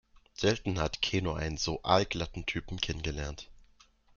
Selten hat Keno einen so aalglatten Typen kennengelernt.